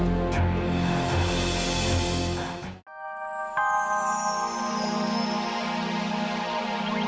kalian sih tidak mau sorry